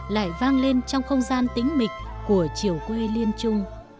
lại vang lên trong không gian tĩnh mịch của triều quê liên trung